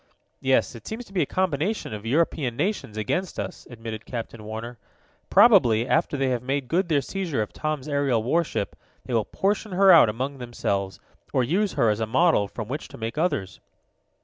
"Yes, it seems to be a combination of European nations against us," admitted Captain Warner. "Probably, after they have made good their seizure of Tom's aerial warship, they will portion her out among themselves, or use her as a model from which to make others."